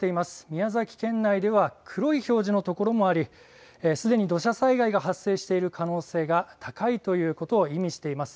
宮崎県内では黒い表示のところもありすでに土砂災害が発生している可能性が高いということを意味しています。